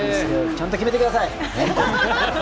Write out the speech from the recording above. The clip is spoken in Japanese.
ちゃんと決めてください！